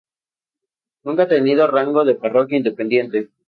Nunca ha tenido rango de parroquia independiente.